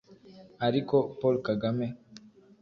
ariko paul kagame .